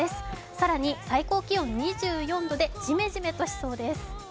更に最高気温２４度でじめじめとしそうです。